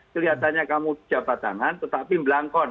kelihatannya kamu jabat tangan tetapi belangkon